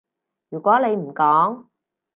如果你唔講